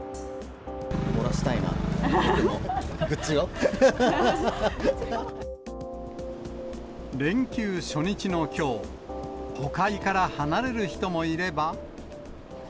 漏らしたいなと思って、俺も、連休初日のきょう、都会から離れる人もいれば。